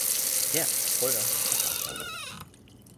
Her er frøer og græshopper